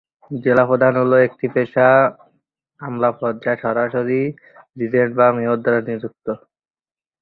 জেলা প্রধান হল একটি পেশা আমলা পদ যা সরাসরি রিজেন্ট বা মেয়র দ্বারা নিযুক্ত।